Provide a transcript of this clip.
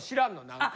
何か。